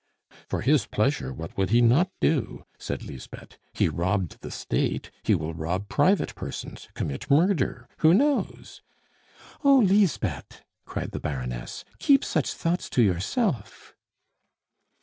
"For his pleasure what would he not do?" said Lisbeth. "He robbed the State, he will rob private persons, commit murder who knows?" "Oh, Lisbeth!" cried the Baroness, "keep such thoughts to yourself."